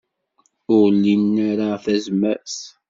Ur lin ara tazmert.